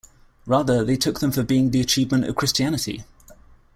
Rather, they took them for being the achievement of Christianity.